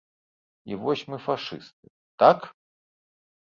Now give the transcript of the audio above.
І вось мы фашысты, так?!